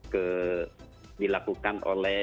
ke dilakukan oleh